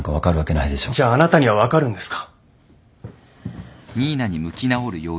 じゃああなたには分かるんですか？